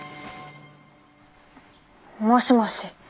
もしもし。